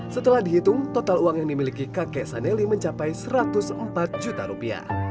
setelah dihitung total uang yang dimiliki kakek saneli mencapai satu ratus empat juta rupiah